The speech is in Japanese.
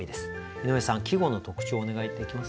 井上さん季語の特徴をお願いできますか。